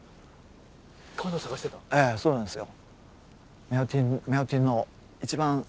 ええそうなんですよ。